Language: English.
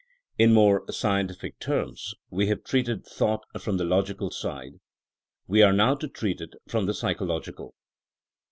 In more scientific terms, we have treated thought from the logical side; we are now to treat it from the psycho logical.